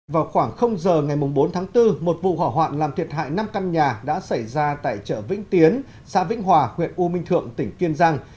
vào khoảng giờ ngày bốn tháng bốn một vụ hỏa hoạn làm thiệt hại năm căn nhà đã xảy ra tại chợ vĩnh tiến xã vĩnh hòa huyện u minh thượng tỉnh kiên giang